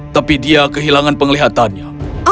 tapi dia kehilangan penglihatannya